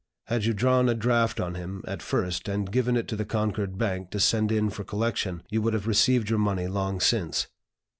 Had you drawn a draft on him, at first, and given it to the Concord Bank to send in for collection, you would have received your money long since.